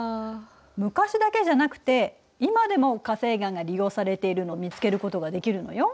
昔だけじゃなくて今でも火成岩が利用されているのを見つけることができるのよ。